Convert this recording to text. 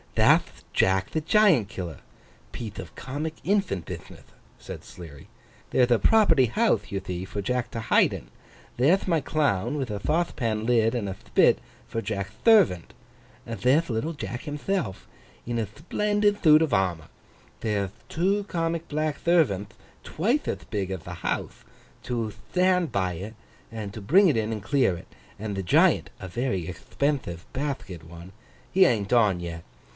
'That'h Jack the Giant Killer—piethe of comic infant bithnith,' said Sleary. 'There'th a property houthe, you thee, for Jack to hide in; there'th my Clown with a thauthepan lid and a thpit, for Jack'th thervant; there'th little Jack himthelf in a thplendid thoot of armour; there'th two comic black thervanth twithe ath big ath the houthe, to thtand by it and to bring it in and clear it; and the Giant (a very ecthpenthive bathket one), he an't on yet.